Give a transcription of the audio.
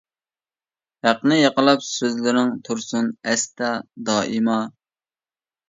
ھەقنى ياقلاپ سۆزلىرىڭ، تۇرسۇن ئەستە دائىما.